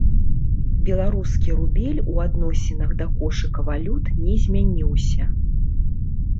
Беларускі рубель у адносінах да кошыка валют не змяніўся.